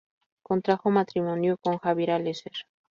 Contrajo matrimonio con Javiera Lesser.